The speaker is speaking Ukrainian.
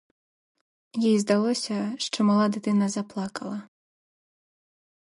Їй здалося, що мала дитина заплакала.